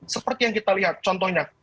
seperti yang kita lihat contohnya